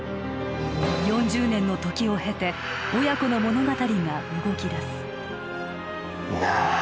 ４０年の時を経て親子の物語が動きだすなあ